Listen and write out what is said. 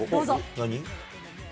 何？